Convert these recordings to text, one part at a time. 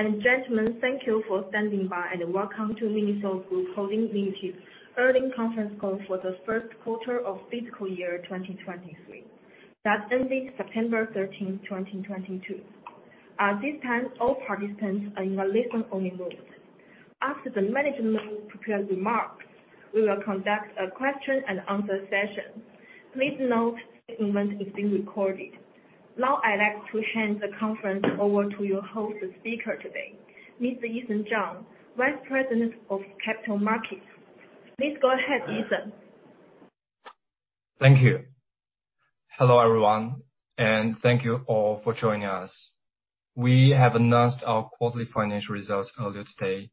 Ladies and gentlemen, thank you for standing by, and welcome to MINISO Group Holding Limited Earnings Conference Call for the first quarter of fiscal year 2023 that ended September 13th, 2022. At this time, all participants are in a listen only mode. After the management prepared remarks, we will conduct a question and answer session. Please note, this event is being recorded. Now, I'd like to hand the conference over to your host and speaker today, Mr. Eason Zhang, Vice President of Capital Markets. Please go ahead, Eason. Thank you. Hello, everyone, and thank you all for joining us. We have announced our quarterly financial results earlier today.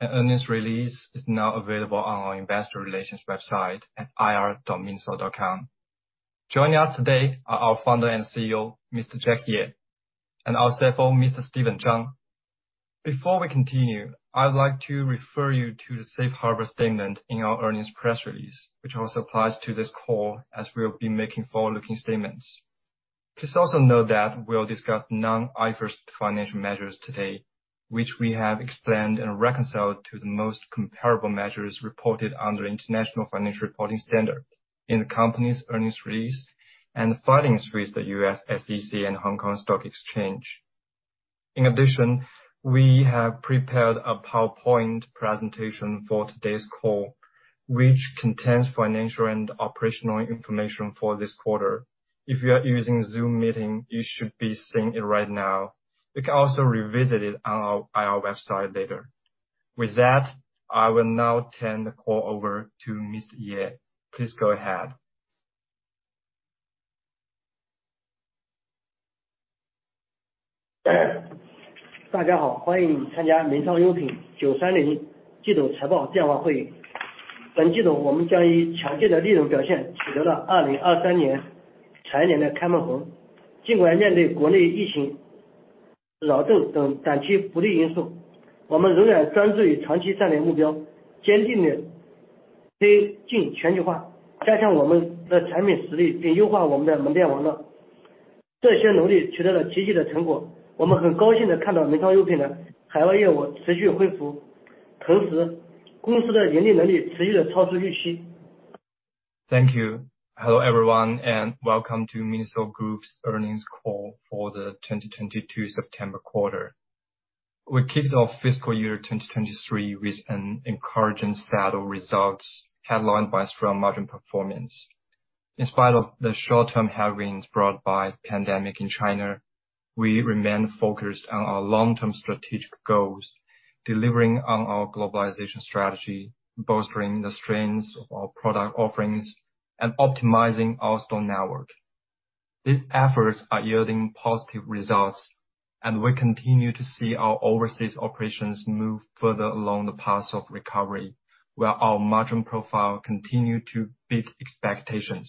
An earnings release is now available on our investor relations website at ir.miniso.com. Joining us today are our Founder and CEO, Mr. Jack Ye, and our CFO, Mr. Steven Zhang. Before we continue, I'd like to refer you to the Safe Harbor statement in our earnings press release, which also applies to this call as we'll be making forward-looking statements. Please also note that we'll discuss non-IFRS financial measures today, which we have explained and reconciled to the most comparable measures reported under International Financial Reporting Standard in the company's earnings release and filings with the U.S. SEC and Hong Kong Stock Exchange. In addition, we have prepared a PowerPoint presentation for today's call, which contains financial and operational information for this quarter. If you are using Zoom meeting, you should be seeing it right now. You can also revisit it on our IR website later. With that, I will now turn the call over to Mr. Ye. Please go ahead. Thank you. Hello, everyone, and welcome to MINISO Group's Earnings Call for the 2022 September quarter. We kicked off fiscal year 2023 with an encouraging set of results headlined by strong margin performance. In spite of the short-term headwinds brought by the pandemic in China, we remain focused on our long-term strategic goals, delivering on our globalization strategy, bolstering the strengths of our product offerings, and optimizing our store network. These efforts are yielding positive results, and we continue to see our overseas operations move further along the path of recovery, where our margin profile continue to beat expectations.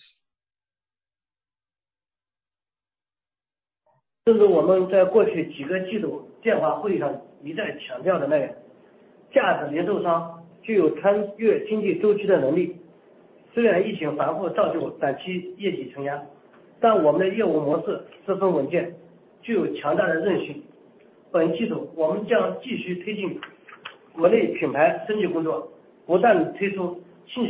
Thank you. Hello, everyone, and welcome to MINISO Group's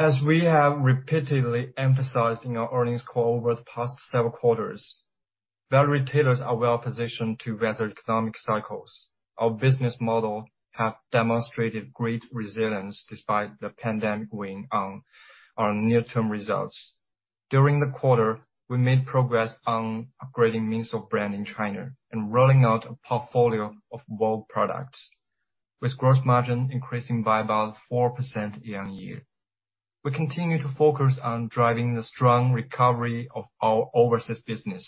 Earnings Call over the past several quarters. Value retailers are well-positioned to weather economic cycles. Our business model have demonstrated great resilience despite the pandemic weighing on our near-term results. During the quarter, we made progress on upgrading MINISO brand in China and rolling out a portfolio of bold products with gross margin increasing by about 4% year-on-year. We continue to focus on driving the strong recovery of our overseas business,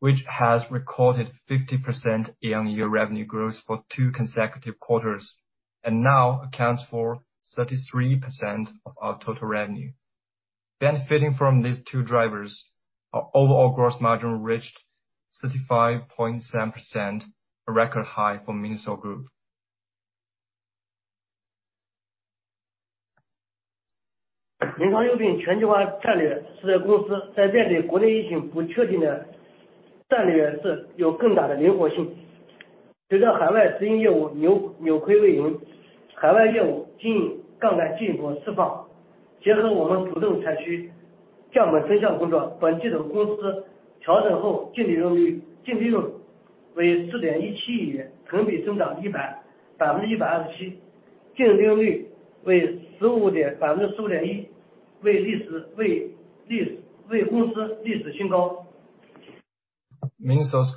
which has recorded 50% year-on-year revenue growth for two consecutive quarters. Now accounts for 33% of our total revenue. Benefiting from these two drivers, our overall gross margin reached 35.7%, a record high for MINISO Group. MINISO's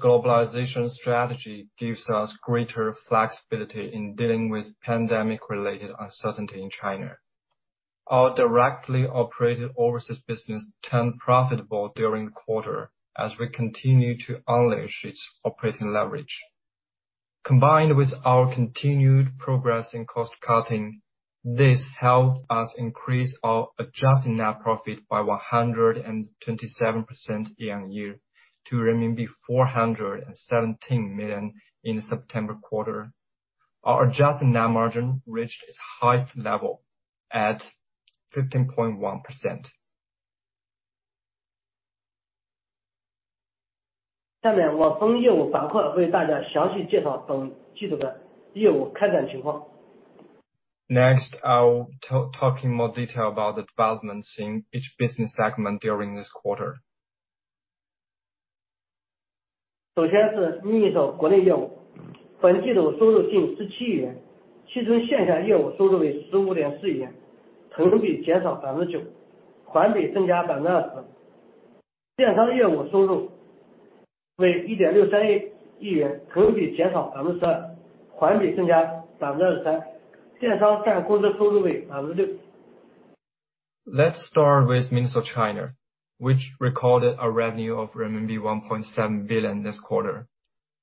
globalization strategy gives us greater flexibility in dealing with pandemic-related uncertainty in China. Our directly operated overseas business turned profitable during the quarter as we continue to unleash its operating leverage. Combined with our continued progress in cost cutting, this helped us increase our adjusted net profit by 127% year-on-year to renminbi 417 million in the September quarter. Our adjusted net margin reached its highest level at 15.1%. Next, I'll talk in more detail about the developments in each business segment during this quarter. Let's start with MINISO China, which recorded a revenue of RMB 1.7 billion this quarter.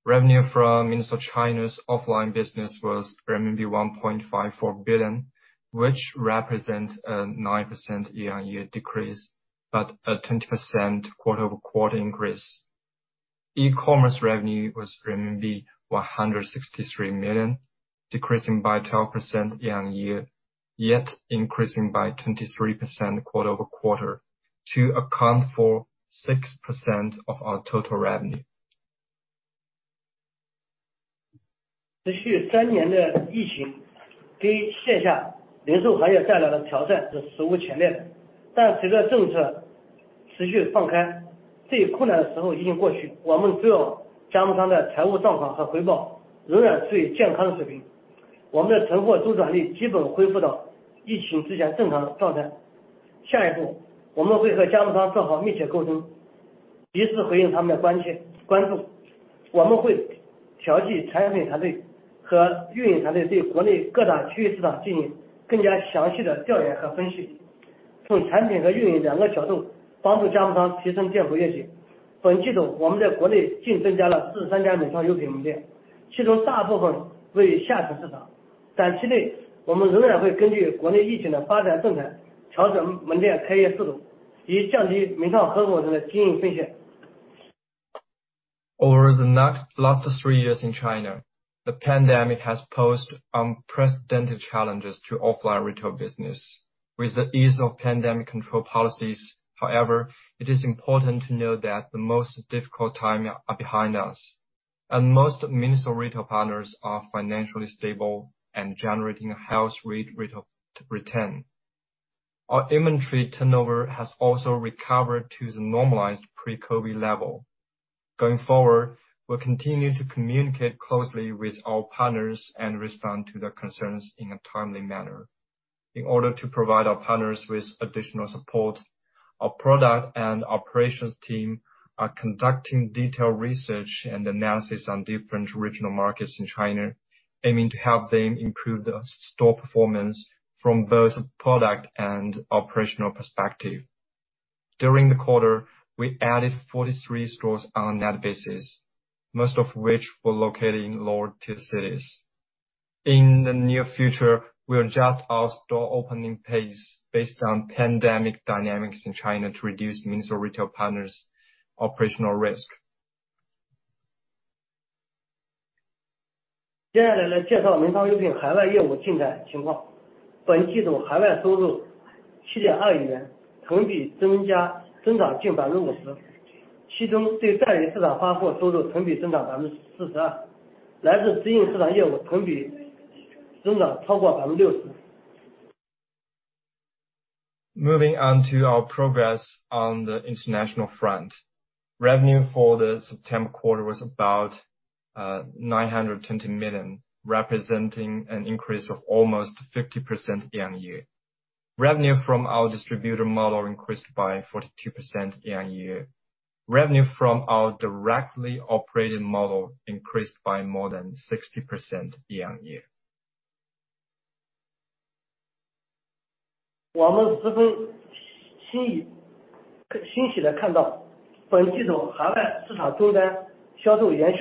Revenue from MINISO China's offline business was RMB 1.54 billion, which represents a 9% year-on-year decrease, but a 20% quarter-over-quarter increase. E-commerce revenue was renminbi 163 million, decreasing by 12% year-on-year, yet increasing by 23% quarter-over-quarter to account for 6% of our total revenue. Last three years in China, the pandemic has posed unprecedented challenges to offline retail business. With the ease of pandemic control policies, however, it is important to note that the most difficult time are behind us. Most MINISO retail partners are financially stable and generating a healthy return. Our inventory turnover has also recovered to the normalized pre-COVID level. Going forward, we'll continue to communicate closely with our partners and respond to their concerns in a timely manner. In order to provide our partners with additional support, our product and operations team are conducting detailed research and analysis on different regional markets in China, aiming to help them improve the store performance from both product and operational perspective. During the quarter, we added 43 stores on a net basis, most of which were located in lower tier cities. In the near future, we'll adjust our store opening pace based on pandemic dynamics in China to reduce MINISO retail partners' operational risk. Moving on to our progress on the international front. Revenue for the September quarter was about 920 million, representing an increase of almost 50% year-on-year. Revenue from our distributor model increased by 42% year-on-year. Revenue from our directly operated model increased by more than 60% year-on-year.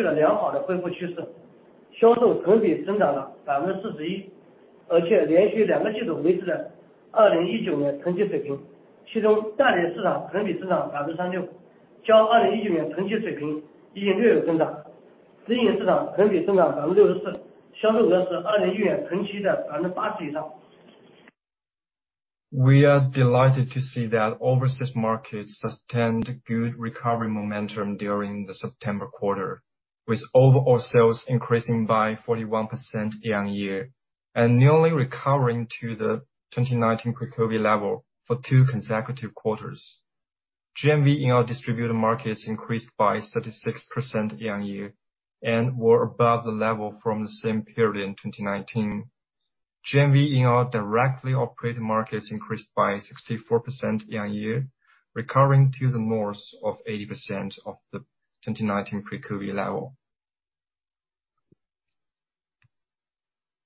We are delighted to see that overseas markets sustained good recovery momentum during the September quarter, with overall sales increasing by 41% year-on-year and nearly recovering to the 2019 pre-COVID level for two consecutive quarters. GMV in our distributor markets increased by 36% year-on-year and were above the level from the same period in 2019. GMV in our directly operated markets increased by 64% year-on-year, recovering to the north of 80% of the 2019 pre-COVID level.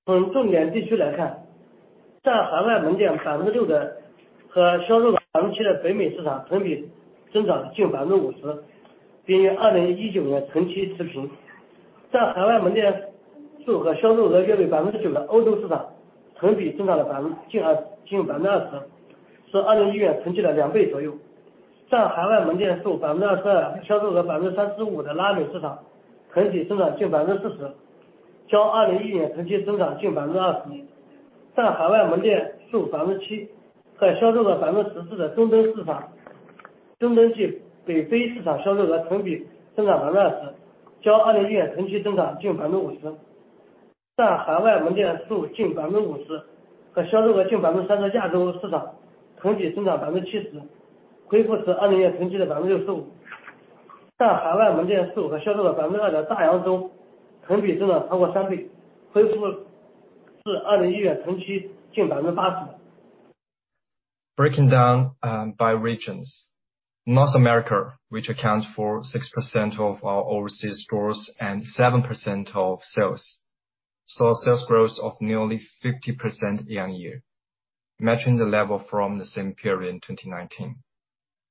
从重点地区来看，在海外门店6%和销售额7%的北美市场，同比增长近50%，并与2019年同期持平。在海外门店数和销售额占比9%的欧洲市场，同比增长了近20%，是2019年同期的两倍左右。占海外门店数22%、销售额35%的拉美市场，同比增长近40%，较2019年同期增长近21%。占海外门店数7%和销售额14%的中东市场，中东及北非市场销售额同比增加20%，较2019年同期增长近50%。占海外门店数近50%和销售额近3%的亚洲市场，同比增长70%，恢复至2019年同期的65%。占海外门店数和销售额2%的大洋洲，同比增长超过三倍，恢复至2019年同期近80%。Breaking down by regions. North America, which accounts for 6% of our overseas stores and 7% of sales, saw sales growth of nearly 50% year-on-year, matching the level from the same period in 2019.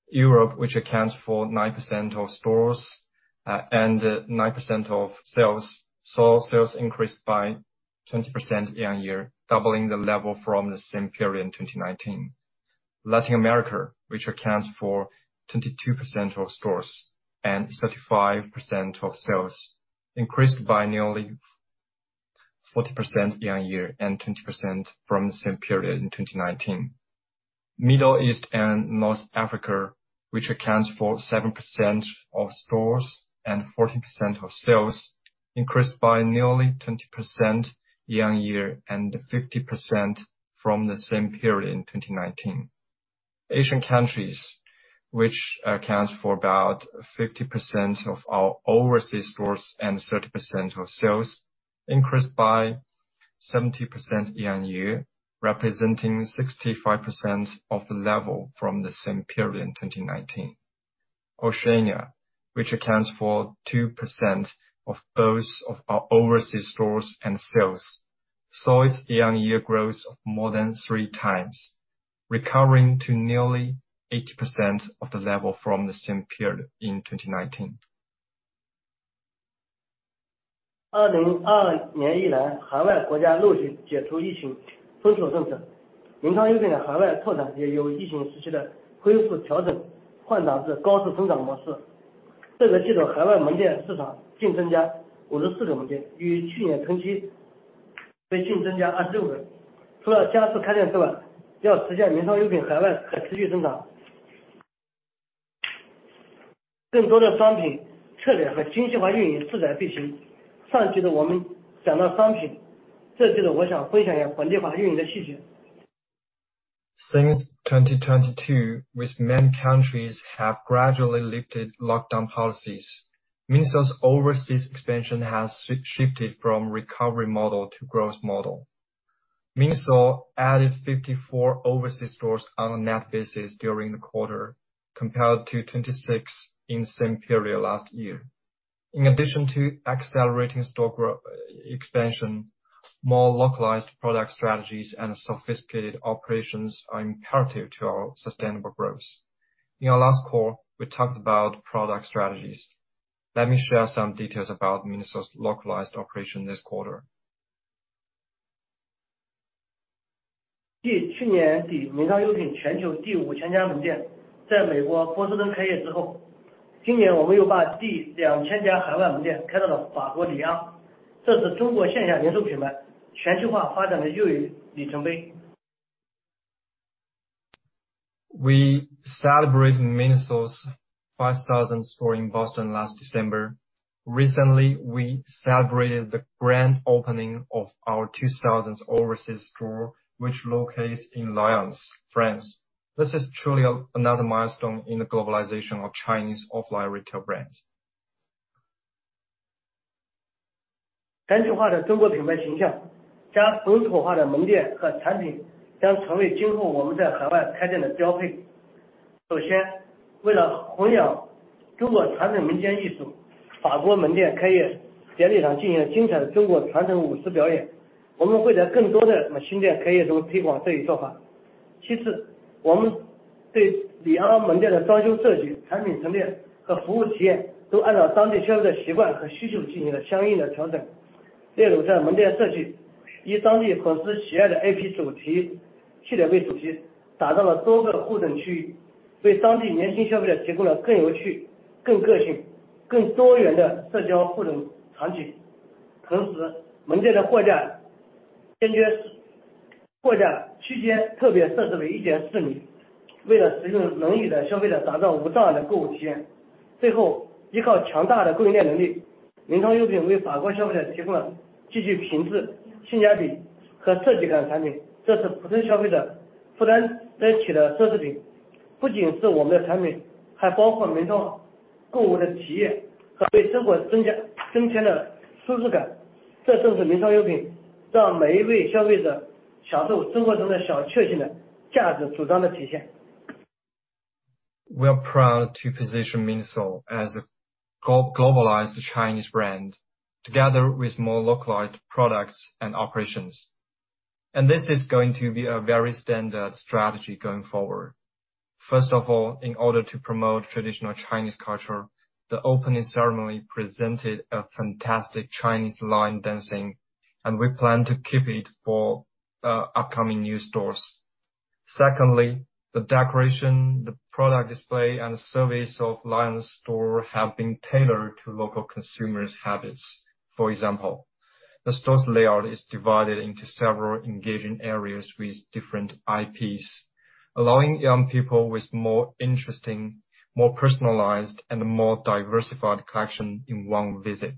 Europe, which accounts for 9% of stores and 9% of sales, saw sales increased by 20% year-on-year, doubling the level from the same period in 2019. Latin America, which accounts for 22% of stores and 35% of sales, increased by nearly 40% year-on-year and 20% from the same period in 2019. Middle East and North Africa, which accounts for 7% of stores and 14% of sales, increased by nearly 20% year-on-year and 50% from the same period in 2019. Asian countries, which accounts for about 50% of our overseas stores and 30% of sales, increased by 70% year-on-year, representing 65% of the level from the same period in 2019. Oceania, which accounts for 2% of both of our overseas stores and sales, saw its year-on-year growth of more than 3x, recovering to nearly 80% of the level from the same period in 2019. Since 2022, with many countries have gradually lifted lockdown policies, MINISO's overseas expansion has shifted from recovery model to growth model. MINISO added 54 overseas stores on a net basis during the quarter, compared to 26 in the same period last year. In addition to accelerating store grow, expansion, more localized product strategies and sophisticated operations are imperative to our sustainable growth. In our last call, we talked about product strategies. Let me share some details about MINISO's localized operation this quarter. 继去年底名创优品全球第5000家门店在美国波士顿开业之后，今年我们又把第2000家海外门店开到了法国里昂。这是中国线下零售品牌全球化发展的又一里程碑。We celebrated MINISO's 5,000th store in Boston last December. Recently, we celebrated the grand opening of our 2,000th overseas store, which is located in Lyon, France. This is truly another milestone in the globalization of Chinese offline retail brands. We are proud to position MINISO as a globalized Chinese brand together with more localized products and operations. This is going to be a very standard strategy going forward. First of all, in order to promote traditional Chinese culture, the opening ceremony presented a fantastic Chinese lion dance, and we plan to keep it for upcoming new stores. Secondly, the decoration, the product display and service of Lyon store have been tailored to local consumers' habits. For example, the store's layout is divided into several engaging areas with different IPs, allowing young people with more interesting, more personalized and more diversified collection in one visit.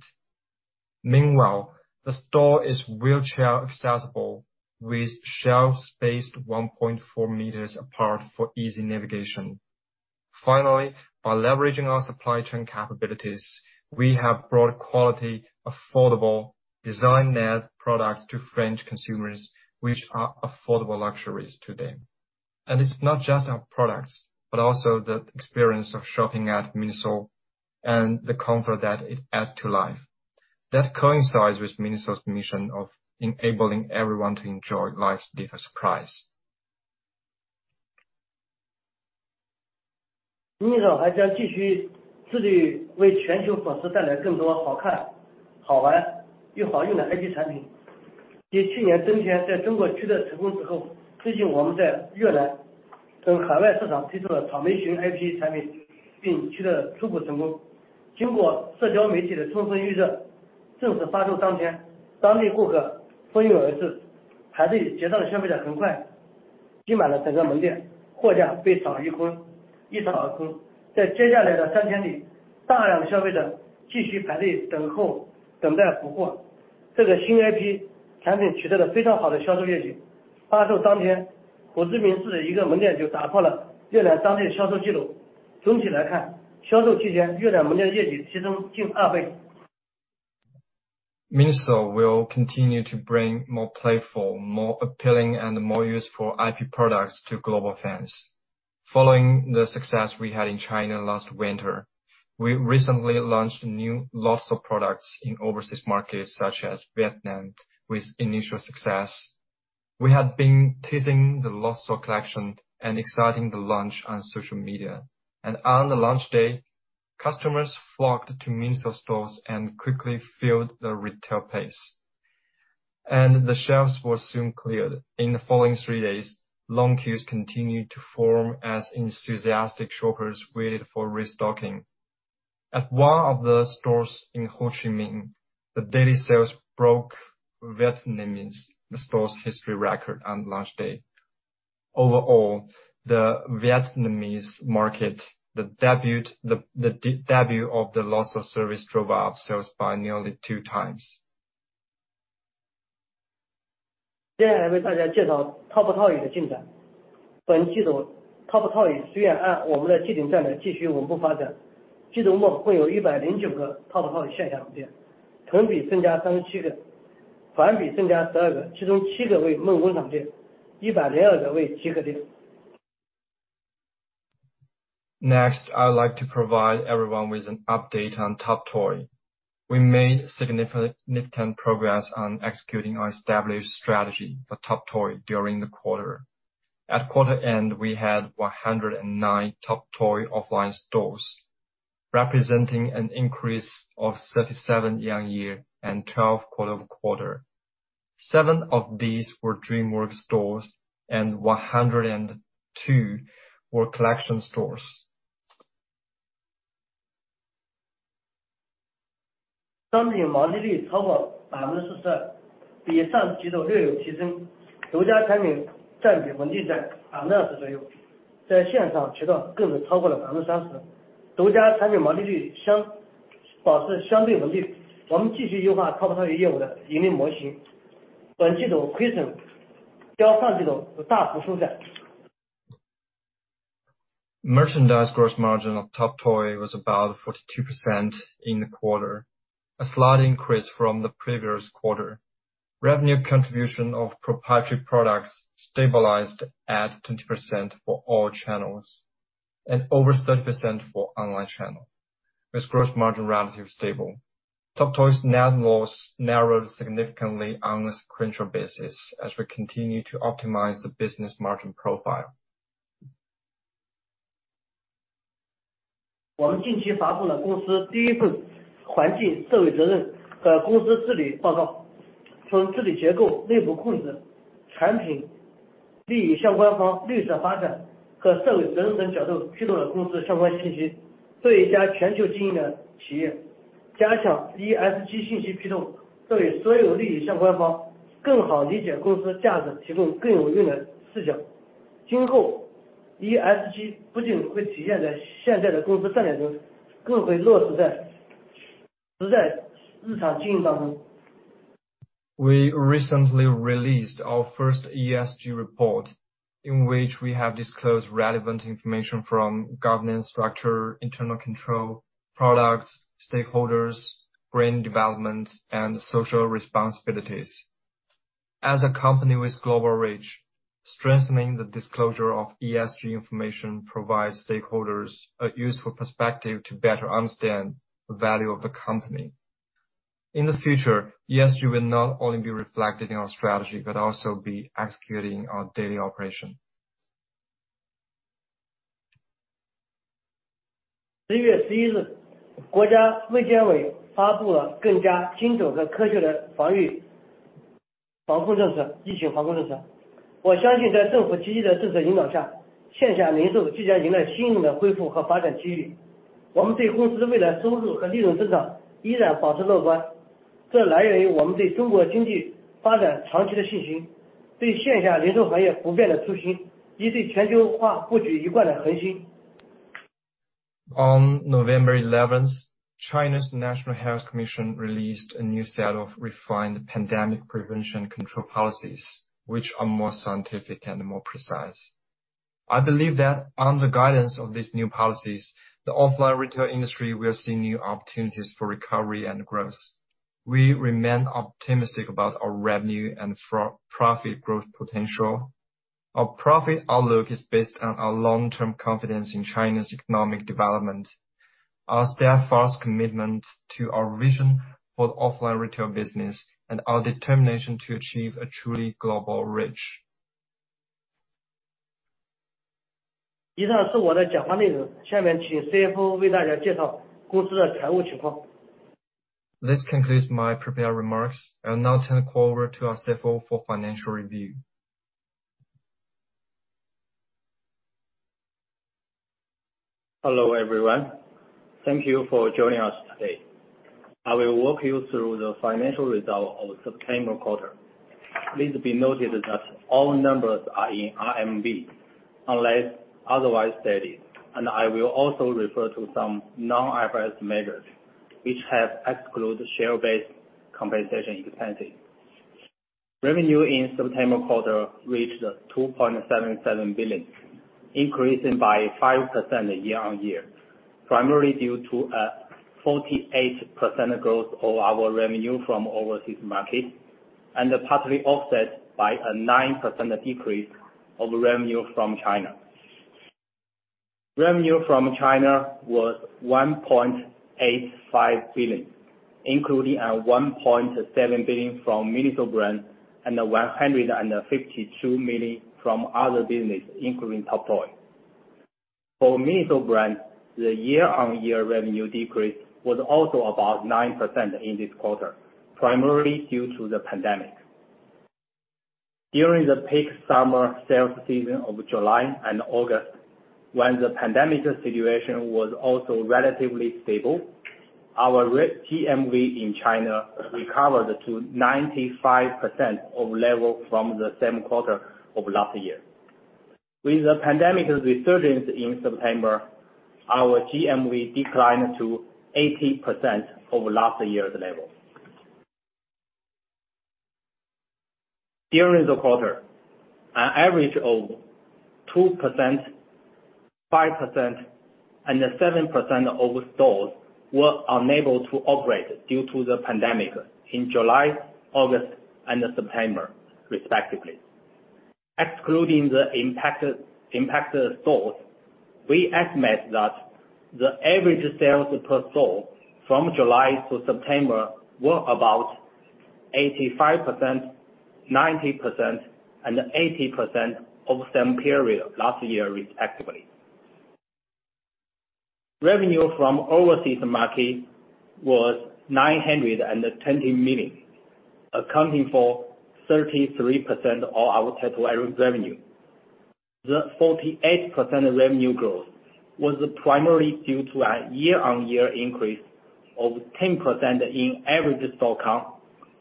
Meanwhile, the store is wheelchair-accessible with shelves spaced 1.4 m apart for easy navigation. Finally, by leveraging our supply chain capabilities, we have brought quality, affordable, design-led products to French consumers, which are affordable luxuries today. It's not just our products, but also the experience of shopping at MINISO and the comfort that it adds to life. That coincides with MINISO's mission of enabling everyone to enjoy life's little surprise. MINISO will continue to bring more playful, more appealing and more useful IP products to global fans. Following the success we had in China last winter, we recently launched new Lotso products in overseas markets such as Vietnam with initial success. We had been teasing the Lotso collection and exciting the launch on social media. On the launch day, customers flocked to MINISO stores and quickly filled the retail space. The shelves were soon cleared. In the following three days, long queues continued to form as enthusiastic shoppers waited for restocking. At one of the stores in Ho Chi Minh, the daily sales broke the Vietnamese store's historical record on launch day. Overall, in the Vietnamese market, the debut of the Lotso service drove up sales by nearly 2x. Next, I would like to provide everyone with an update on TOP TOY. We made significant progress on executing our established strategy for TOP TOY during the quarter. At quarter end, we had 109 TOP TOY offline stores, representing an increase of 37 year-on-year and 12 quarter-over-quarter. Seven of these were Dream Factory stores and 102 were collection stores. Merchandise gross margin of TOP TOY was about 42% in the quarter, a slight increase from the previous quarter. Revenue contribution of proprietary products stabilized at 20% for all channels and over 30% for online channel, with gross margin relatively stable. TOP TOY's net loss narrowed significantly on a sequential basis as we continue to optimize the business margin profile. We recently released our first ESG report, in which we have disclosed relevant information from governance structure, internal control, products, stakeholders, brand development, and social responsibilities. As a company with global reach, strengthening the disclosure of ESG information provides stakeholders a useful perspective to better understand the value of the company. In the future, ESG will not only be reflected in our strategy, but also be executing our daily operation. On November 11th, China's National Health Commission released a new set of refined pandemic prevention control policies, which are more scientific and more precise. I believe that on the guidance of these new policies, the offline retail industry will see new opportunities for recovery and growth. We remain optimistic about our revenue and profit growth potential. Our profit outlook is based on our long-term confidence in China's economic development, our steadfast commitment to our vision for the offline retail business, and our determination to achieve a truly global reach. This concludes my prepared remarks. I'll now turn the call over to our CFO for financial review. Hello, everyone. Thank you for joining us today. I will walk you through the financial results of the September quarter. Please note that all numbers are in RMB, unless otherwise stated. I will also refer to some non-IFRS measures which exclude share-based compensation expenses. Revenue in September quarter reached 2.77 billion, increasing by 5% year-on-year, primarily due to 48% growth of our revenue from overseas market, and partly offset by a 9% decrease of revenue from China. Revenue from China was 1.85 billion, including 1.7 billion from MINISO brand, and 152 million from other business, including TOP TOY. For MINISO brand, the year-on-year revenue decrease was also about 9% in this quarter, primarily due to the pandemic. During the peak summer sales season of July and August, when the pandemic situation was also relatively stable, our GMV in China recovered to 95% of the level from the same quarter of last year. With the pandemic resurgence in September, our GMV declined to 80% of last year's level. During the quarter, an average of 2%, 5%, and 7% of stores were unable to operate due to the pandemic in July, August, and September, respectively. Excluding the impacted stores, we estimate that the average sales per store from July to September were about 85%, 90%, and 80% of the same period last year, respectively. Revenue from overseas market was $920 million, accounting for 33% of our total revenue. The 48% revenue growth was primarily due to a year-on-year increase of 10% in average store count,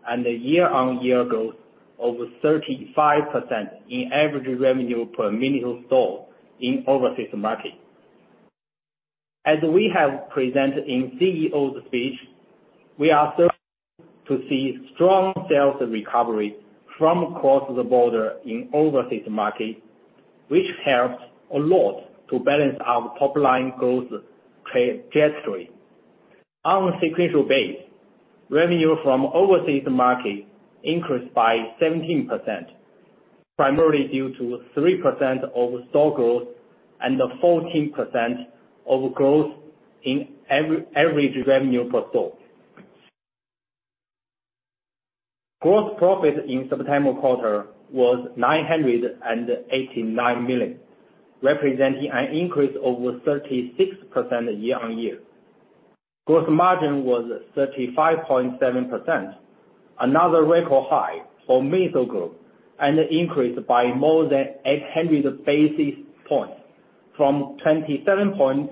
and a year-on-year growth of 35% in average revenue per MINISO store in overseas market. As we have presented in CEO's speech, we are starting to see strong sales recovery from cross-border in overseas market, which helps a lot to balance our top-line growth trajectory. On sequential basis, revenue from overseas market increased by 17%, primarily due to 3% of store growth and 14% of growth in average revenue per store. Gross profit in September quarter was 989 million, representing an increase of 36% year-on-year. Gross margin was 35.7%, another record high for MINISO Group, and an increase by more than 800 basis points from 27.4%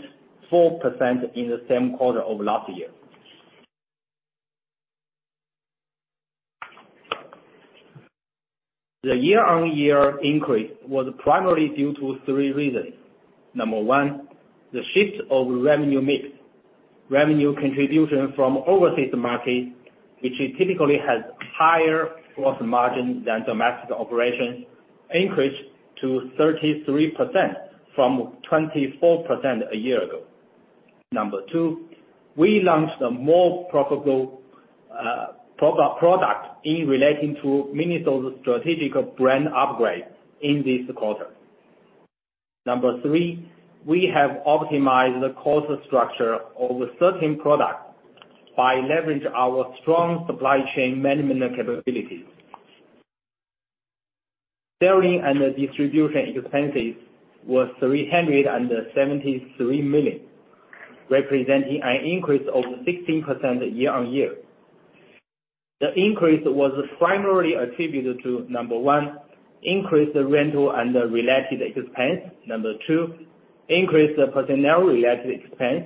in the same quarter of last year. The year-on-year increase was primarily due to three reasons. Number one, the shift of revenue mix. Revenue contribution from overseas market, which typically has higher gross margin than domestic operations, increased to 33% from 24% a year ago. Number two, we launched a more profitable product relating to MINISO's strategic brand upgrade in this quarter. Number three, we have optimized the cost structure of certain products by leveraging our strong supply chain management capabilities. Selling and distribution expenses was 373 million, representing an increase of 16% year-on-year. The increase was mainly attributed to, number one, increased rental and related expense. Number two, increased personnel related expense.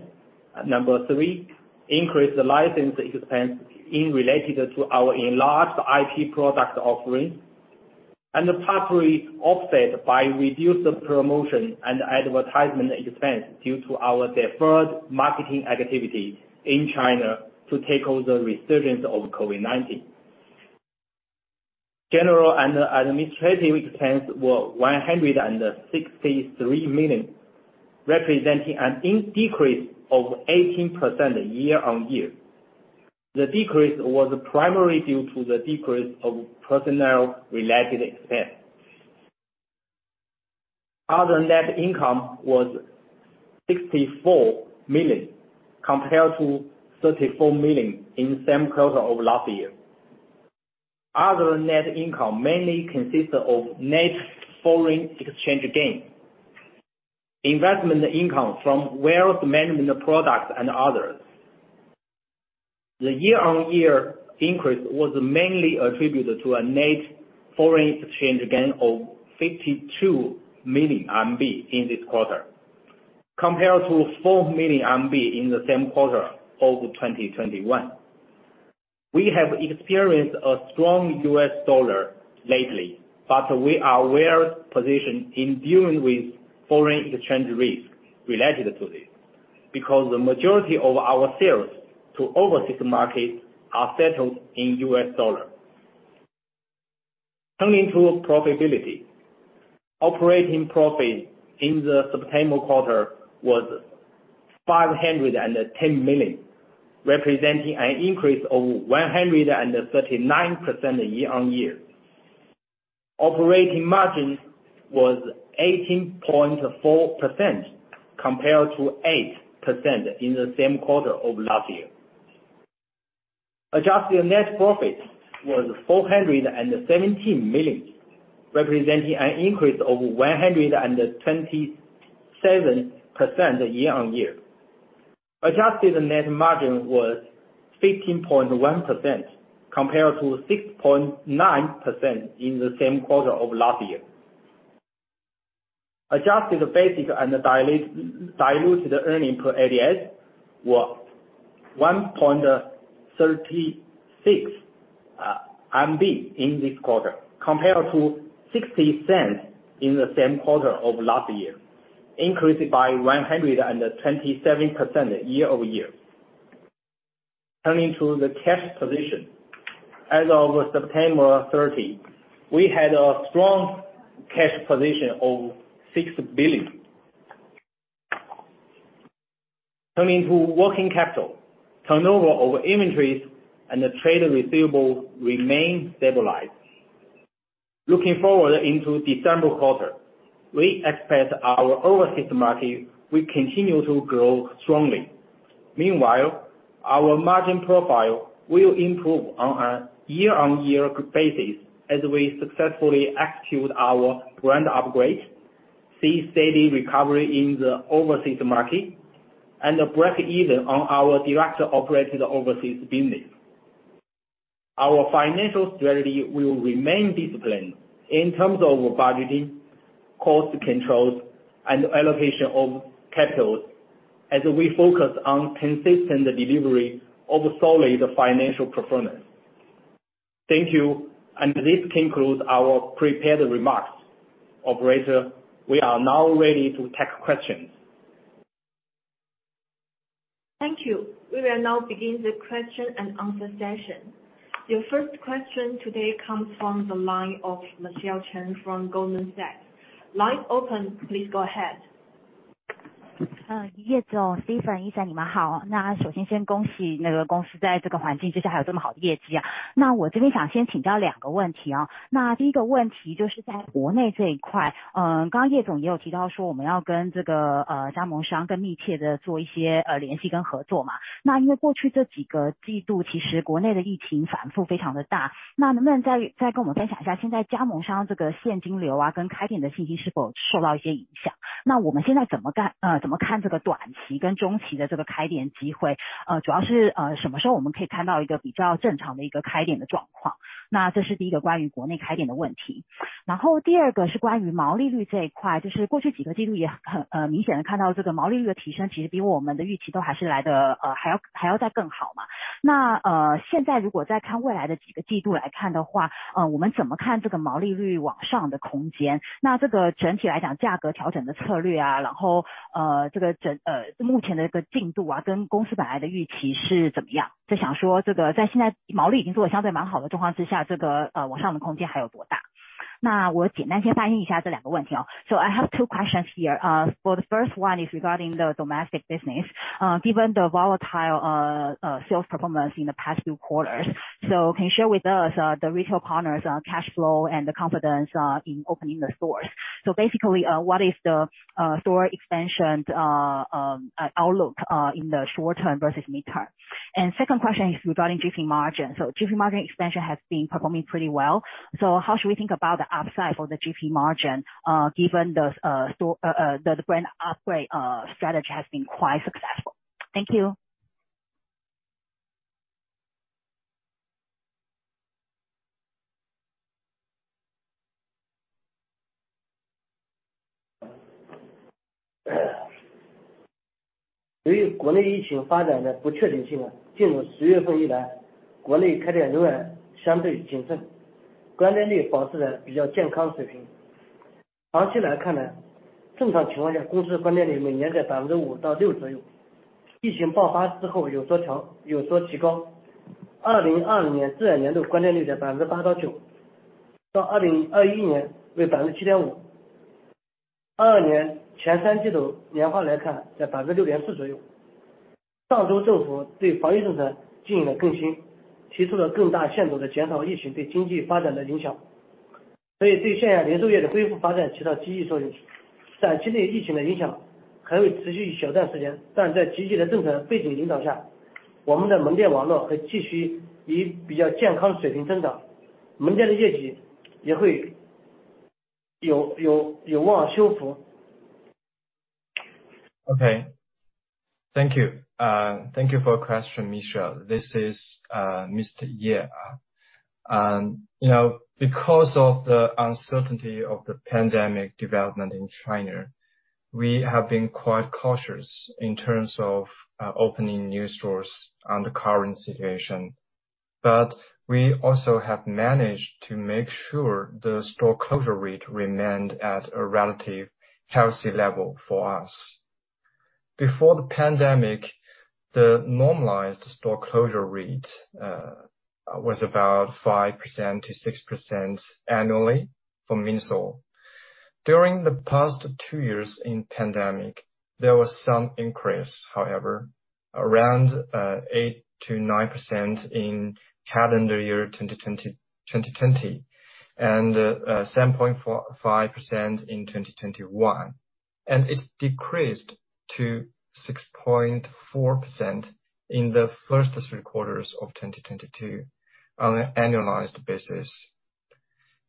Number three, increased license expense in relation to our enlarged IP product offering, and partly offset by reduced promotion and advertisement expense due to our deferred marketing activity in China to tackle the resurgence of COVID-19. General and administrative expenses were 163 million, representing a decrease of 18% year-on-year. The decrease was primarily due to the decrease of personnel-related expense. Other income was 64 million compared to 34 million in the same quarter of last year. Other income, net mainly consists of net foreign exchange gains, investment income from wealth management products and others. The year-on-year increase was mainly attributed to a net foreign exchange gain of 52 million RMB in this quarter, compared to 4 million RMB in the same quarter of 2021. We have experienced a strong U.S. dollar lately, but we are well-positioned in dealing with foreign exchange risk related to this, because the majority of our sales to overseas markets are settled in U.S. dollar. Turning to profitability. Operating profit in the September quarter was 510 million, representing an increase of 139% year-on-year. Operating margin was 18.4% compared to 8% in the same quarter of last year. Adjusted net profit was 417 million, representing an increase of 127% year-on-year. Adjusted net margin was 15.1% compared to 6.9% in the same quarter of last year. Adjusted basic and diluted earnings per ADS were 1.36 in this quarter compared to 0.60 in the same quarter of last year, increased by 127% year-over-year. Turning to the cash position. As of September 30, we had a strong cash position of 6 billion. Turning to working capital. Turnover of inventories and trade receivables remains stable. Looking forward into December quarter, we expect our overseas market will continue to grow strongly. Meanwhile, our margin profile will improve on a year-on-year basis as we successfully execute our brand upgrade, see steady recovery in the overseas market, and break even on our directly operated overseas business. Our financial strategy will remain disciplined in terms of budgeting, cost controls and allocation of capital as we focus on consistent delivery of solid financial performance. Thank you. This concludes our prepared remarks. Operator, we are now ready to take questions. Thank you. We will now begin the question and answer session. Your first question today comes from the line of Michelle Cheng from Goldman Sachs. Line open. Please go ahead. Ye 总、Steven、Ethan，你们好，那首先先恭喜那个公司在这个环境之下还有这么好的业绩啊。那我这边想先请教两个问题哦。那第一个问题就是在国内这一块，嗯，刚刚 Ye 总也有提到说我们要跟这个，呃，加盟商更密切地做一些，呃，联系跟合作嘛。那因为过去这几个季度，其实国内的疫情反复非常的大，那能不能再，再跟我们分享一下现在加盟商这个现金流啊，跟开店的信息是否受到一些影响？那我们现在怎么看，呃，怎么看这个短期跟中期的这个开店机会，呃，主要是，呃，什么时候我们可以看到一个比较正常的一个开店的状况。那这是第一个关于国内开店的问题。然后第二个是关于毛利率这一块，就是过去几个季度也很，很，呃，明显地看到这个毛利率的提升，其实比我们的预期都还是来得，呃，还要，还要再更好嘛。那，呃，现在如果在看未来的几个季度来看的话，呃，我们怎么看这个毛利率往上的空间？那这个整体来讲，价格调整的策略啊，然后，呃，这个整，呃，目前的一个进度啊，跟公司本来的预期是怎么样？在想说这个在现在毛利已经做的相对蛮好的状况之下，这个，呃，往上的空间还有多大？那我简单先翻译一下这两个问题哦。So I have two questions here. For the first one is regarding the domestic business, given the volatile sales performance in the past few quarters, so can you share with us the retail partners' cash flow and the confidence in opening the stores. So basically what is the store expansion outlook in the short term versus mid term? And second question is regarding GP margin. So GP margin expansion has been performing pretty well, so how should we think about the upside for the GP margin, given those brand upgrade strategy has been quite successful. Thank you. Okay, thank you. Thank you for question, Michelle. This is Mr. Ye. You know, because of the uncertainty of the pandemic development in China, we have been quite cautious in terms of opening new stores on the current situation. We also have managed to make sure the store closure rate remained at a relative healthy level for us. Before the pandemic, the normalized store closure rate was about 5%-6% annually from MINISO. During the past two years in pandemic, there was some increase, however, around 8%-9% in calendar year 2020, and 7.45% in 2021. It's decreased to 6.4% in the first three quarters of 2022 on an annualized basis.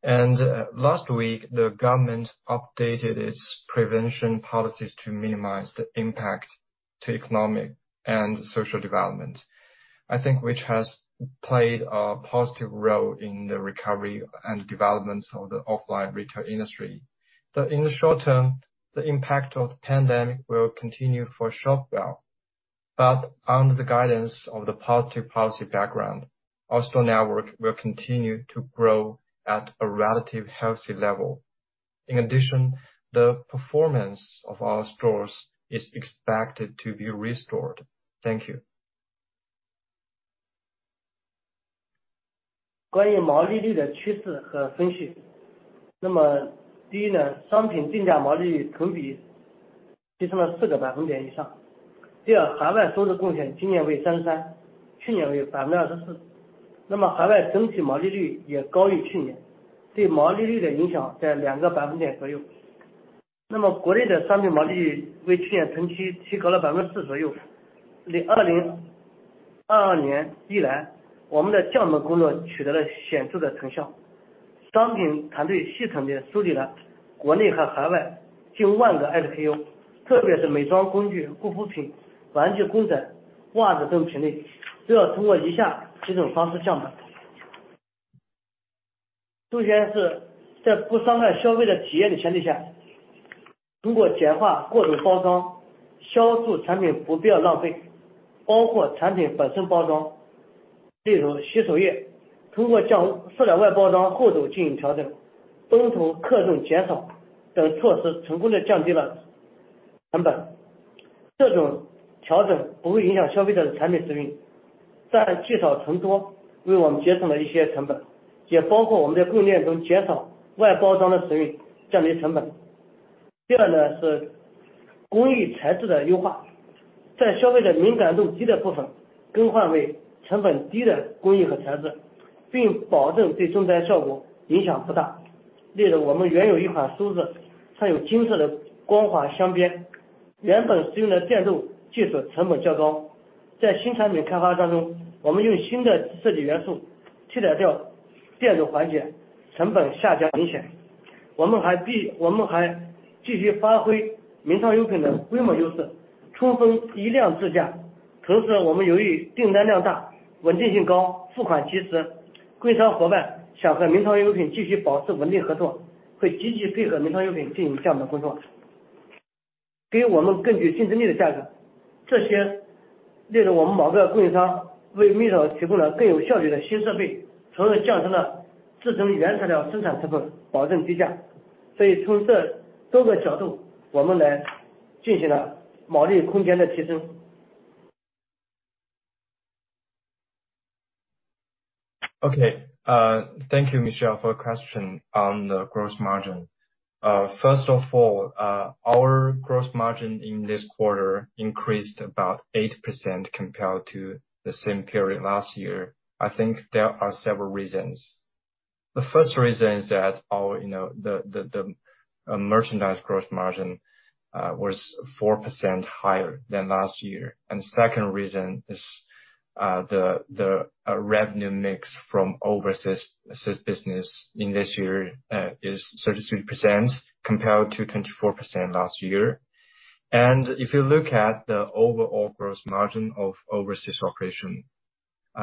Last week, the government updated its prevention policies to minimize the impact to economic and social development, I think which has played a positive role in the recovery and development of the offline retail industry. In the short term, the impact of the pandemic will continue for short while. Under the guidance of the positive policy background, our store network will continue to grow at a relative healthy level. In addition, the performance of our stores is expected to be restored. Thank you. Okay. Thank you, Michelle, for question on the gross margin. First of all, our gross margin in this quarter increased about 8% compared to the same period last year. I think there are several reasons. The first reason is that our, you know, the merchandise gross margin was 4% higher than last year. Second reason is the revenue mix from overseas business in this year is 33% compared to 24% last year. If you look at the overall gross margin of overseas operation,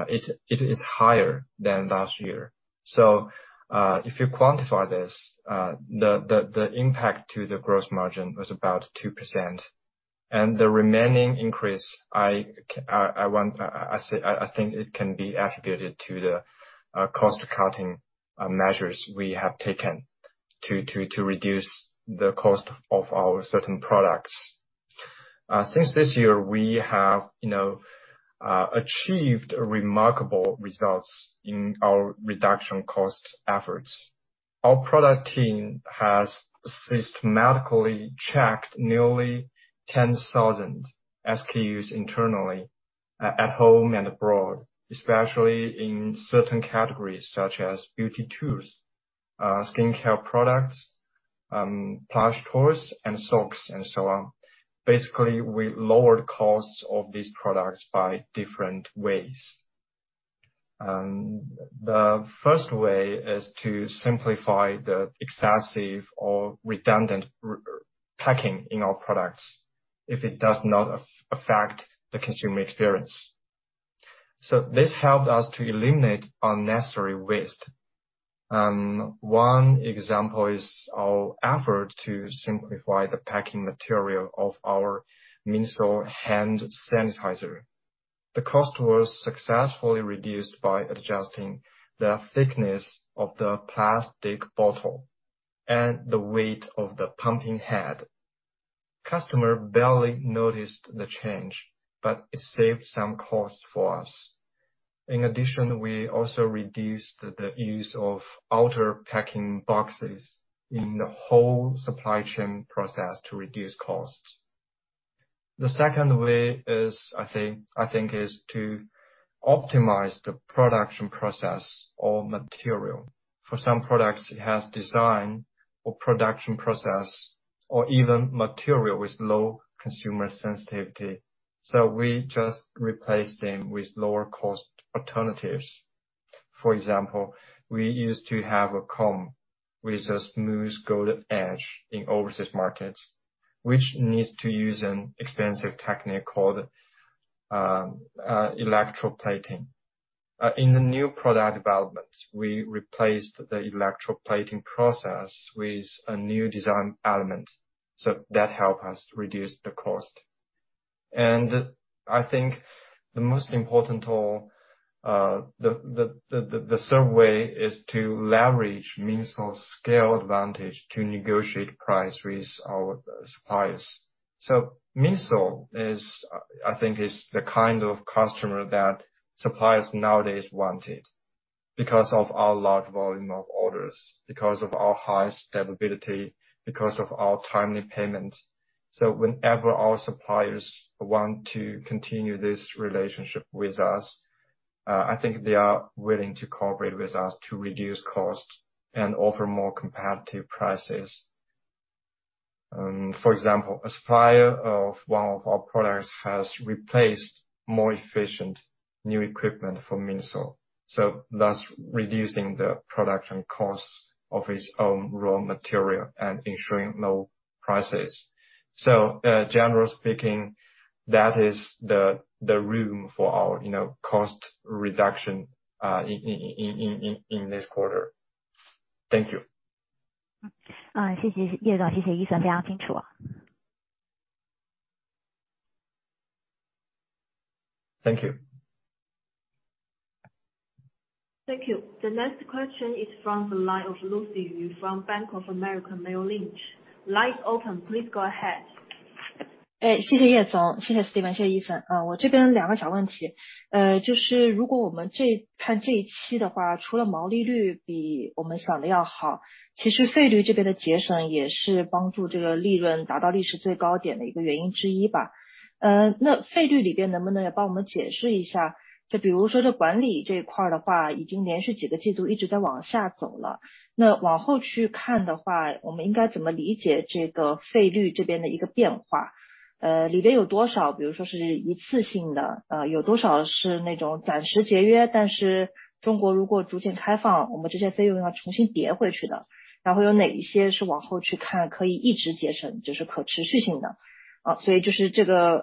it is higher than last year. If you quantify this, the impact to the gross margin was about 2%. The remaining increase, I think it can be attributed to the cost-cutting measures we have taken to reduce the cost of our certain products. Since this year, we have, you know, achieved remarkable results in our cost reduction efforts. Our product team has systematically checked nearly 10,000 SKUs internally, at home and abroad, especially in certain categories such as beauty tools, skin care products, plush toys, and socks, and so on. Basically, we lowered costs of these products by different ways. The first way is to simplify the excessive or redundant packing in our products if it does not affect the consumer experience. This helped us to eliminate unnecessary waste. One example is our effort to simplify the packing material of our MINISO hand sanitizer. The cost was successfully reduced by adjusting the thickness of the plastic bottle and the weight of the pumping head. Customers barely noticed the change, but it saved some cost for us. In addition, we also reduced the use of outer packing boxes in the whole supply chain process to reduce costs. The second way is, I think, is to optimize the production process or material. For some products, it has design or production process or even material with low consumer sensitivity, so we just replace them with lower cost alternatives. For example, we used to have a comb with a smooth golden edge in overseas markets, which needs to use an expensive technique called electroplating. In the new product development, we replaced the electroplating process with a new design element, so that help us reduce the cost. I think the most important of all, the third way is to leverage MINISO's scale advantage to negotiate price with our suppliers. MINISO is, I think, the kind of customer that suppliers nowadays wanted because of our large volume of orders, because of our high stability, because of our timely payments. Whenever our suppliers want to continue this relationship with us, I think they are willing to cooperate with us to reduce costs and offer more competitive prices. For example, a supplier of one of our products has replaced more efficient new equipment for MINISO, so thus reducing the production costs of its own raw material and ensuring low prices. Generally speaking, that is the room for our, you know, cost reduction, in this quarter. Thank you. Uh, Thank you. Thank you. The next question is from the line of Lucy Yu from Bank of America Merrill Lynch. Line is open. Please go ahead.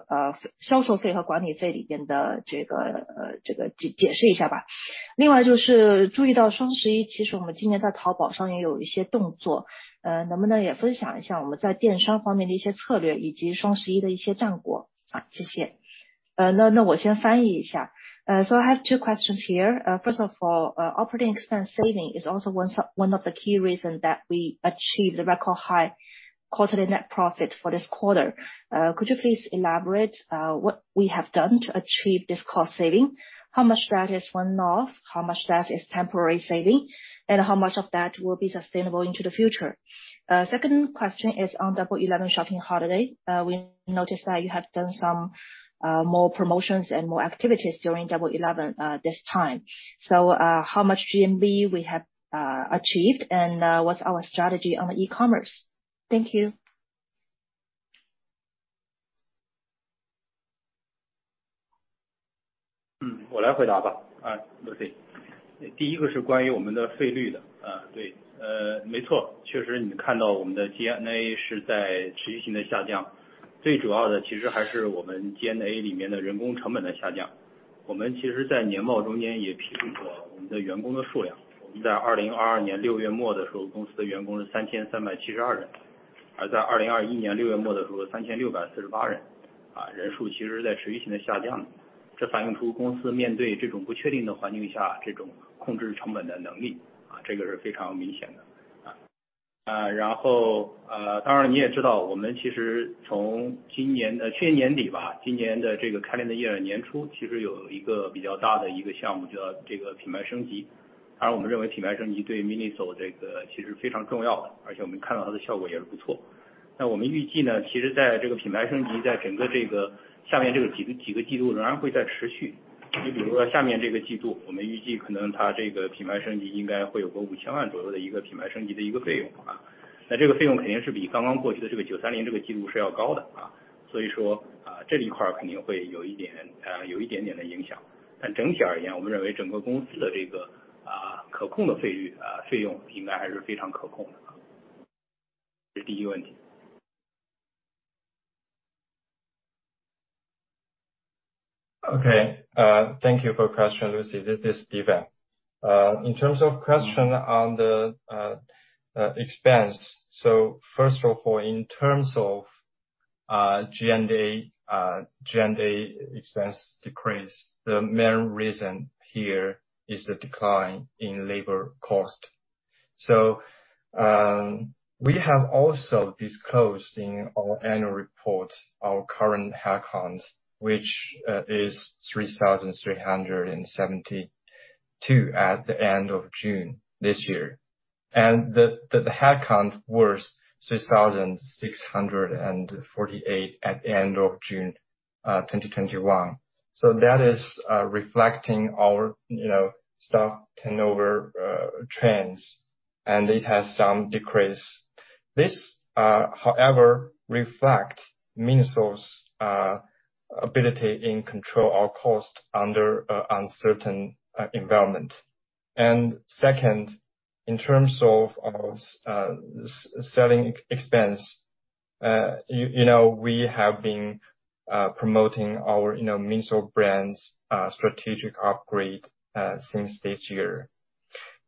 I have two questions here. First of all, operating expense saving is also one of the key reason that we achieved the record high quarterly net profit for this quarter. Could you please elaborate what we have done to achieve this cost saving? How much of that is one-off? How much of that is temporary saving? And how much of that will be sustainable into the future? Second question is on Double Eleven shopping holiday. We noticed that you have done some more promotions and more activities during Double Eleven this time. How much GMV we have achieved, and what's our strategy on the e-commerce? Thank you. 我来回答吧。Lucy，第一个是关于我们的费率的。对，没错，确实，你看到我们的G&A是在持续性的下降，最主要的其实还是我们G&A里面的人工成本的下降。我们其实在年报中间也披露过我们的员工的数量，我们在2022年六月末的时候，公司的员工是3,372人，而在2021年六月末的时候3,648人，人数其实在持续性的下降，这反映出公司面对这种不确定的环境下，这种控制成本的能力，这个是非常明显的。然后，当然了，你也知道，我们其实从今年，去年年底吧，今年的这个开年的年初其实有一个比较大的一个项目，叫这个品牌升级，而我们认为品牌升级对MINISO这个其实非常重要，而且我们看到它的效果也是不错。那我们预计呢，其实在这个品牌升级，在整个这个下面这个几个季度仍然会在持续。你比如说下面这个季度，我们预计可能它这个品牌升级应该会有个五千万左右的一个品牌升级的一个费用，那这个费用肯定是比刚刚过去的这个九三零这个季度是要高的。所以说这一块肯定会有一点点的影响。但整体而言，我们认为整个公司的这个可控的费率，费用应该还是非常可控的。这是第一个问题。Okay, thank you for the question, Lucy. This is Steven. In terms of the question on the expense, first of all, in terms of G&A expense decrease, the main reason here is the decline in labor cost. We have also disclosed in our annual report our current headcounts, which is 3,372 at the end of June this year. The headcount was 3,648 at the end of June 2021. That is reflecting our, you know, staff turnover trends and it has some decrease. This, however, reflect MINISO's ability to control our cost under uncertain environment. Second, in terms of selling expense, you know, we have been promoting our, you know, MINISO brand strategic upgrade since this year.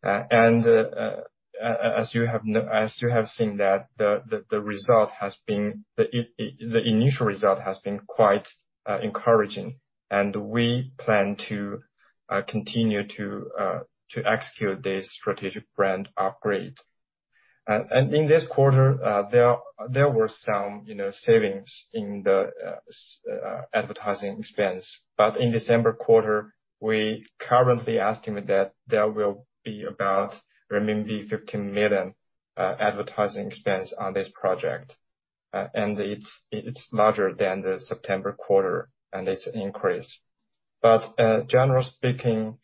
As you have seen that the initial result has been quite encouraging. We plan to continue to execute this strategic brand upgrade. In this quarter, there were some, you know, savings in the advertising expense. In December quarter, we currently estimate that there will be about renminbi 50 million advertising expense on this project, and it's larger than the September quarter and its increase. Generally speaking,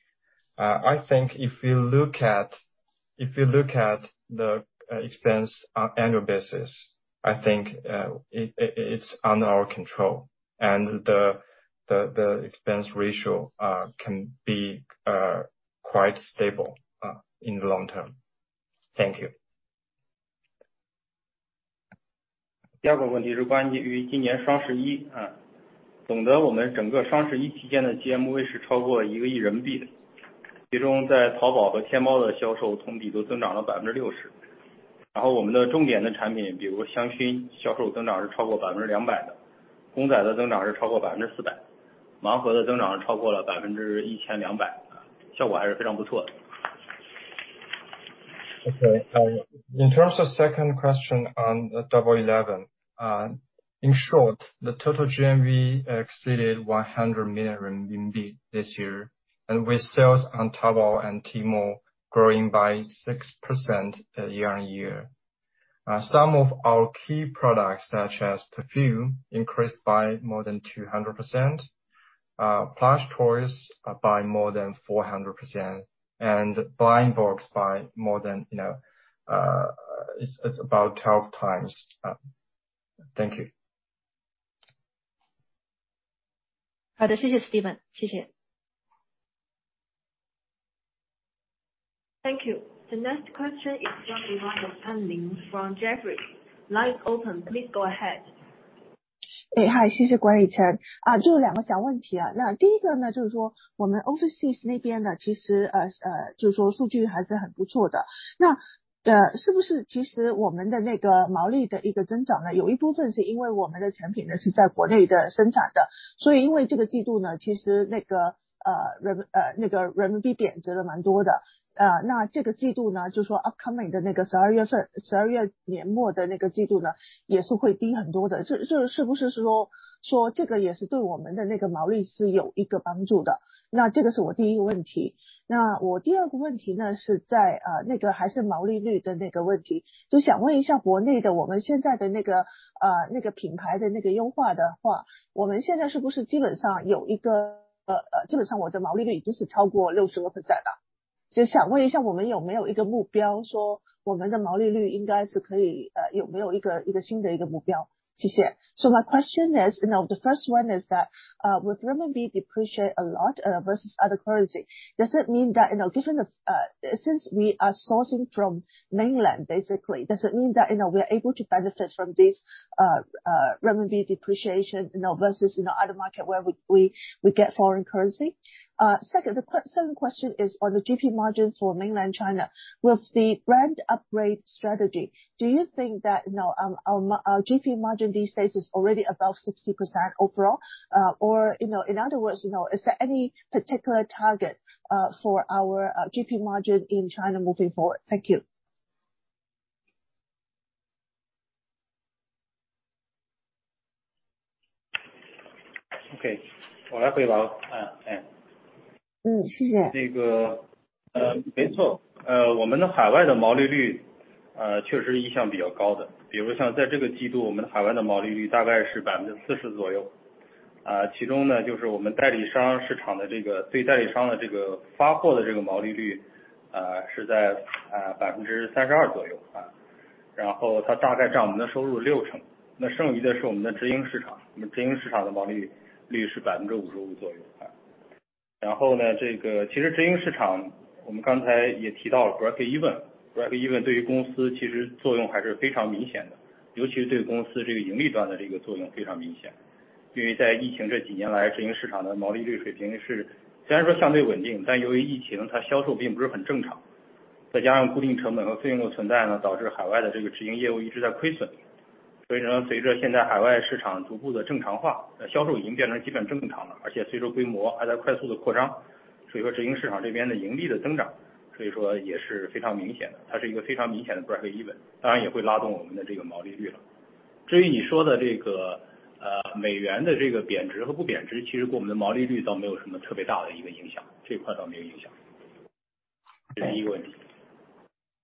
I think if you look at the expense annual basis, I think it's under our control. The expense ratio can be quite stable in the long term. Thank you. 第二个问题是关于今年双十一。总的我们整个双十一期间的GMV是超过一个亿人民币，其中在淘宝和天猫的销售同比都增长了60%。然后我们的重点的产品，比如香薰，销售增长是超过200%的，公仔的增长是超过400%，盲盒的增长是超过了1,200%，效果还是非常不错的。Okay, in terms of second question on Double Eleven. In short, the total GMV exceeded 100 million RMB this year, and with sales on Taobao and Tmall growing by 6% year-on-year. Some of our key products, such as perfume, increased by more than 200%, plush toys by more than 400% and blind box by more than, you know, it's about 12x. Thank you. 好的，谢谢 Steven，谢谢。Thank you. The next question is from the line of Anne Ling from Jefferies. Line is open, please go ahead. 嗨，谢谢管理层。就两个小问题，那第一个呢，就是说我们overseas那边呢，其实就说数据还是很不错的。那，是不是其实我们的那个毛利的一个增长呢，有一部分是因为我们的产品呢是在国内生产的，所以因为这个季度呢，其实那个人民币贬值了蛮多的，那这个季度呢，就是说upcoming的那个12月份，12月年末的那个季度呢也是会低很多的，这是不是说这个也是对我们的那个毛利是有一个帮助的？那这个是我第一个问题。那我第二个问题呢，还是毛利率的那个问题，就想问一下国内的我们现在的那个品牌的那个优化的话，我们现在是不是基本上有一个，基本上我的毛利率已经是超过60个百分点了？就想问一下我们有没有一个目标说我们的毛利率应该是可以，有没有一个新的一个目标，谢谢。My first question is that with RMB depreciate a lot versus other currency, does it mean that, given that we are sourcing from mainland basically, does it mean that we are able to benefit from this RMB depreciation versus other market where we get foreign currency? Second question is on the GP margin for Mainland China. With the brand upgrade strategy, do you think that, you know, our GP margin these days is already above 60% overall? Or you know, in other words, you know, is there any particular target for our GP margin in China moving forward? Thank you. 好，我来回答。谢谢。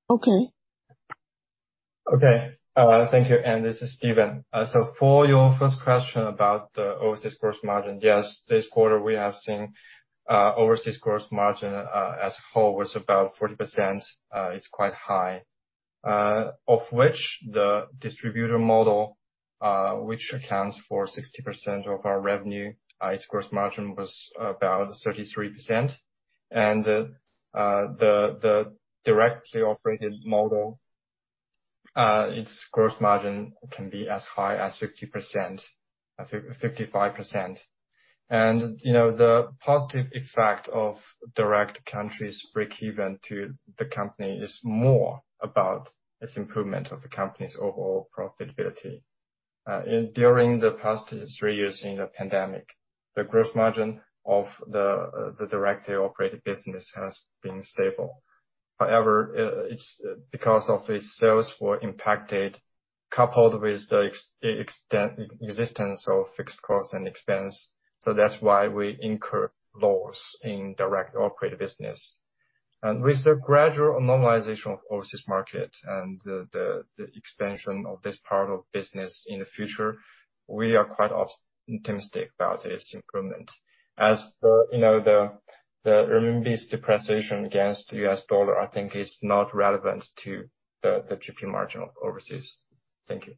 OK。This is Steven. For your first question about the overseas gross margin, yes, this quarter we have seen overseas gross margin as a whole was about 40%, it's quite high, of which the distributor model, which accounts for 60% of our revenue, its gross margin was about 33%. The directly operated model, its gross margin can be as high as 50%, 55%. You know, the positive effect of direct countries breakeven to the company is more about its improvement of the company's overall profitability. During the past three years in the pandemic, the gross margin of the directly operated business has been stable. However, it's because of its sales were impacted, coupled with the existence of fixed cost and expense. That's why we incur loss in direct operated business. With the gradual normalization of overseas market and the expansion of this part of business in the future, we are quite optimistic about its improvement. As the, you know, the RMB's depreciation against the US dollar I think is not relevant to the GP margin overseas. Thank you.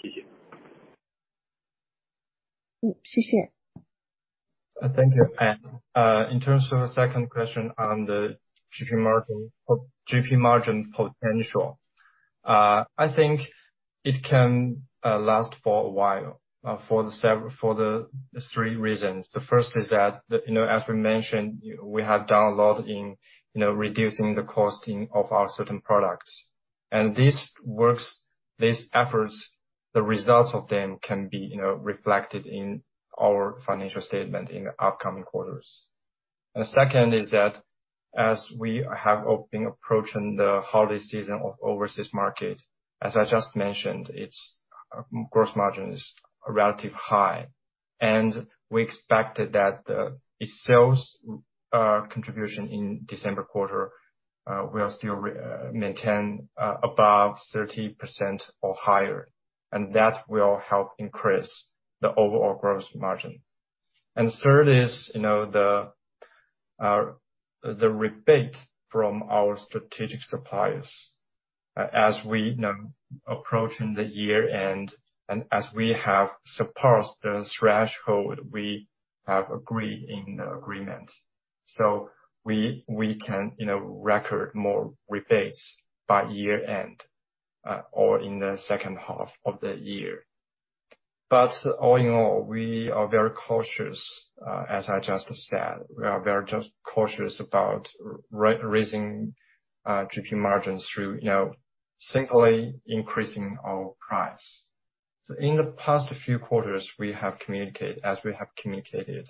谢谢。Thank you. In terms of the second question on the GP margin, GP margin potential. I think it can last for a while for the three reasons. The first is that, you know, as we mentioned, we have done a lot in reducing the costing of our certain products. This works, these efforts, the results of them can be, you know, reflected in our financial statement in the upcoming quarters. The second is that as we have been approaching the holiday season of overseas market, as I just mentioned, its gross margin is relatively high, and we expected that, its sales contribution in December quarter will still maintain above 30% or higher, and that will help increase the overall gross margin. Third is, you know, the rebate from our strategic suppliers. As we, you know, approach the year-end, and as we have surpassed the threshold we have agreed in the agreement. We can, you know, record more rebates by year-end or in the second half of the year. All in all, we are very cautious, as I just said, we are very cautious about raising GP margins through, you know, simply increasing our price. In the past few quarters, as we have communicated,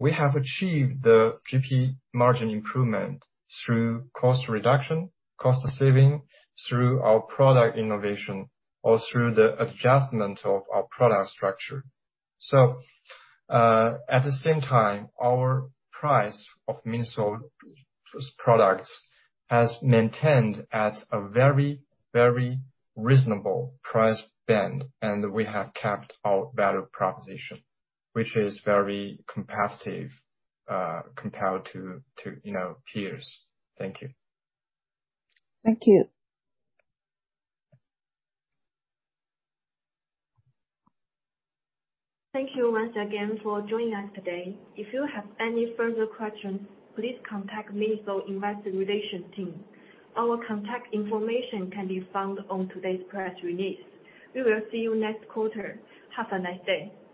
we have achieved the GP margin improvement through cost reduction, cost saving, through our product innovation or through the adjustment of our product structure. At the same time, our price of MINISO products has maintained at a very, very reasonable price band, and we have kept our value proposition, which is very competitive, compared to, you know, peers. Thank you. Thank you. Thank you once again for joining us today. If you have any further questions, please contact MINISO Investor Relations team. Our contact information can be found on today's press release. We will see you next quarter. Have a nice day.